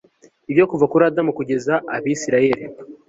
byo kuva kuri adamu kugeza abisirayeli